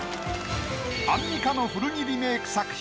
アンミカの古着リメイク作品。